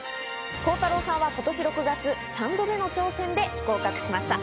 孝太朗さんは今年６月、３度目の挑戦で合格しました。